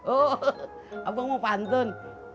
oh abang mau pantun